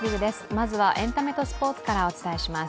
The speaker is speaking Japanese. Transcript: まずは、エンタメとスポーツからお伝えします。